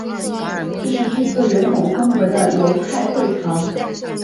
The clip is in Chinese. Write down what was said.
这是第一个圆拱风格的犹太会堂。